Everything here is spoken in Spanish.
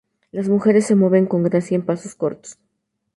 Las mujeres se mueven con gracia en pasos cortos.